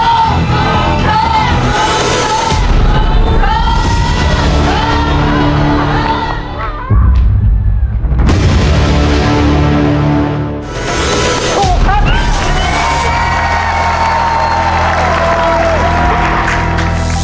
ถูกครับ